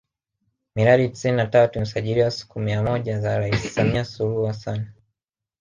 Miradi tisini na tatu imesajiliwa siku mia moja za Rais Samilia Suluhu Hassan